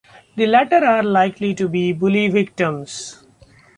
The latter are likely to be bully-victims.